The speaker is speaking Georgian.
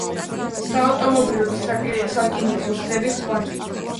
საავტომობილო და სარკინიგზო გზების კვანძი.